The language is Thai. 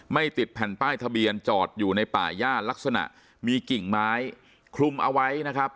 ติดแผ่นป้ายทะเบียนจอดอยู่ในป่าย่าลักษณะมีกิ่งไม้คลุมเอาไว้นะครับ